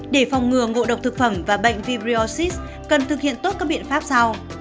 để phòng ngừa ngộ độc thực phẩm và bệnh vibyoxist cần thực hiện tốt các biện pháp sau